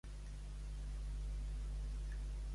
Estar al fi.